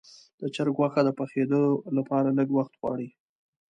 د چرګ غوښه د پخېدو لپاره لږ وخت غواړي.